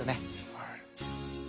はい。